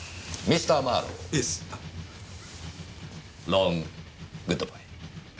ロンググッドバイ。